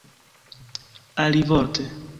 alivorte